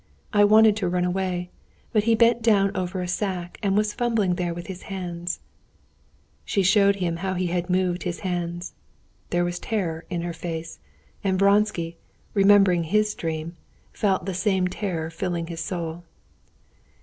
I wanted to run away, but he bent down over a sack, and was fumbling there with his hands...." She showed how he had moved his hands. There was terror in her face. And Vronsky, remembering his dream, felt the same terror filling his soul.